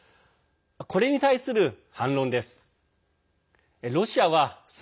これに対する反論です。